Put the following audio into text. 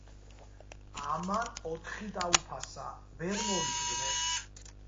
ამან ოთხი დაუფასა. ვერ მორიგდნენ.